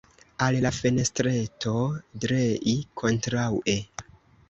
Al la fenestreto drei, kontraŭe.